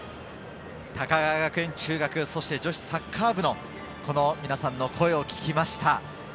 高川学園中学、そして女子サッカー部の皆さんの声を聞きました。